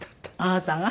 あなたが？